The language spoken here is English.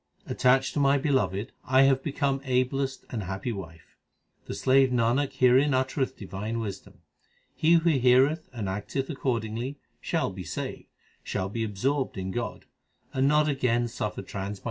Attached to my Beloved, I have become a blest and happy wife. The slave Nanak herein uttereth divine wisdom ; He who heareth and acteth accordingly shall be saved, Shall be absorbed in God> And not again suffer transmigration.